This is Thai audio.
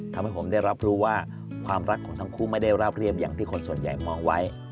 ทำให้ผมได้รับรู้ว่าความรักของทั้งคู่ไม่ได้ราบเรียบอย่างที่คนส่วนใหญ่มองไว้